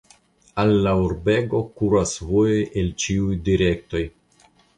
Al la urbego kuras vojoj el ĉiuj direktoj.